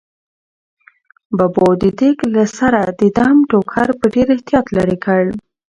ببو د دېګ له سره د دم ټوکر په ډېر احتیاط لیرې کړ.